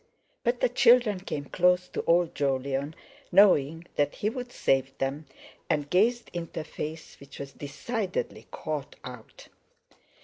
_" But the children came close to old Jolyon, knowing that he would save them, and gazed into a face which was decidedly "caught out."